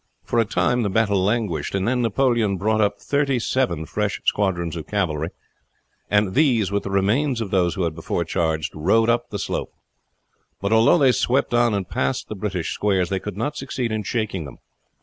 For a time the battle languished, and then Napoleon brought up thirty seven fresh squadrons of cavalry, and these, with the remains of those who had before charged, rode up the slope. But although they swept on and passed the British squares, they could not succeed in shaking them.